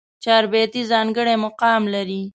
چاربېتې ځانګړی مقام لري.